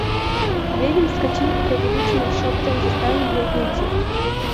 Левин вскочил и повелительным шопотом заставил ее выйти.